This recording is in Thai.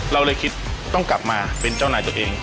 เราเลยคิดต้องกลับมาเป็นเจ้านายตัวเอง